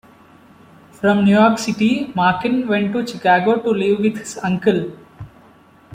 From New York City, Markin went to Chicago to live with his uncle.